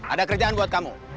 ada kerjaan buat kamu